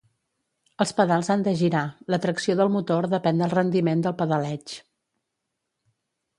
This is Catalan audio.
Els pedals han de girar, la tracció del motor depèn del rendiment del pedaleig.